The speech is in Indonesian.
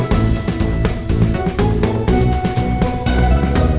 sik pusing ya